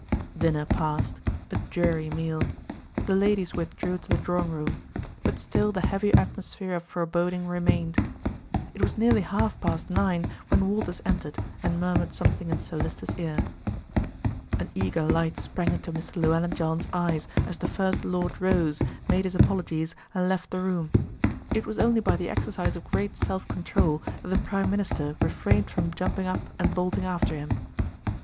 Dinner passed, a dreary meal; the ladies withdrew to the drawing room; but still the heavy atmosphere of foreboding remained. It was nearly half past nine when Walters entered and murmured something in Sir Lyster's ear. An eager light sprang into Mr. Llewellyn John's eyes as the First Lord rose, made his apologies, and left the room. It was only by the exercise of great self control that the Prime Minister refrained from jumping up and bolting after him.